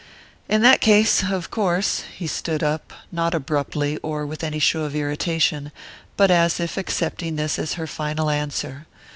"In that case, of course " He stood up, not abruptly, or with any show of irritation, but as if accepting this as her final answer.